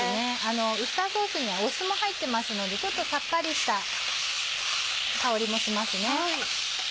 ウスターソースには酢も入ってますのでさっぱりした香りもしますね。